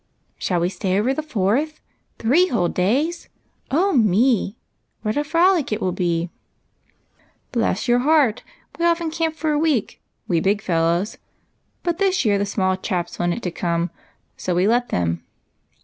" Shall we stay over the Fourth ? Three whole days ! Oh, me ! Avhat a frolic it will be !" "Bless your heart, we often camp for a week, we big fellows ; but this year the small chaps wanted to come, so we let them.